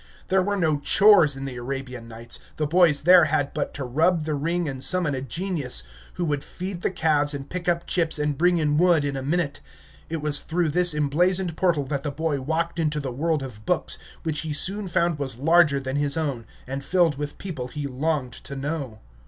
There were no chores in the Arabian Nights; the boy there had but to rub the ring and summon a genius, who would feed the calves and pick up chips and bring in wood in a minute. It was through this emblazoned portal that the boy walked into the world of books, which he soon found was larger than his own, and filled with people he longed to know.